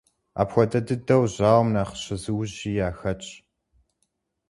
Апхуэдэ дыдэу, жьауэм нэхъ зыщызыужьи яхэтщ.